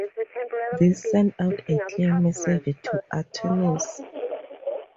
This sent out a clear message to attorneys.